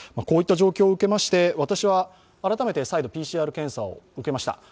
こういった状況を受けまして、私は改めて再度ＰＣＲ検査を受けました。